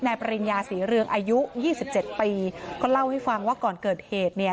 แม่ปริญญาศรีเรืองอายุ๒๗ปีก็เล่าให้ฟังว่าก่อนเกิดเหตุเนี่ย